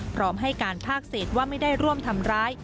พร้อมให้การภาคเศษว่าไม่ได้ร่วมทำร้าย